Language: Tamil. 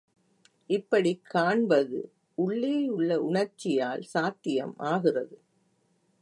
இப்படிக் காண்பது உள்ளேயுள்ள உணர்ச்சியால் சாத்தியமாகிறது.